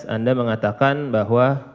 anda mengatakan bahwa